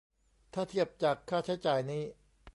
ถ้าเทียบจากค่าใช้จ่ายนี้